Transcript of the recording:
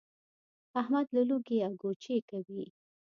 احمد له لوږې اګوچې کوي.